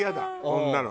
こんなの。